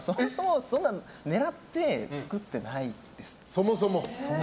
そんな狙って作ってないです。